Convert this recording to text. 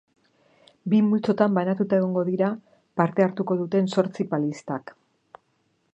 Bi multzotan banatuta egongo dira parte hartuko duten zortzi palistak.